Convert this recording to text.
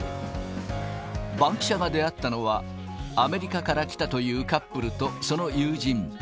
バンキシャが出会ったのは、アメリカから来たというカップルと、その友人。